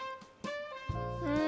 うん。